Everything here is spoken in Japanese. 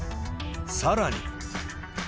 さらに。